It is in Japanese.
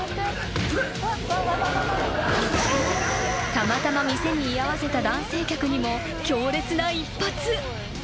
［たまたま店に居合わせた男性客にも強烈な一発］